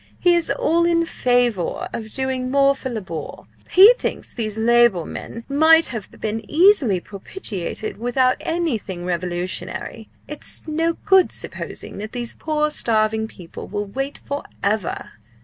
He is all in favour of doing more for Labour. He thinks these Labour men might have been easily propitiated without anything revolutionary. It's no good supposing that these poor starving people will wait for ever!"